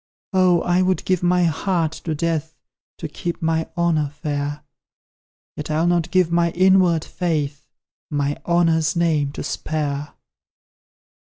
Oh, I would give my heart to death, To keep my honour fair; Yet, I'll not give my inward faith My honour's NAME to spare!